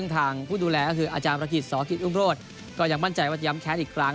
ทางผู้ดูแลคืออาจารย์ภาคิตสกิศอุ่มโพธยังมั่นใจวัตยัมแคทอีกครั้ง